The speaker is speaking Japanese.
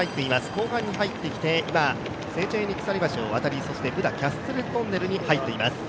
後半に入ってきて、今セーチェーニ鎖橋を渡りそしてブダ・キャッスル・トンネルに入っています。